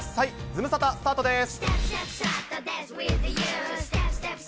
ズムスタ、スタートです。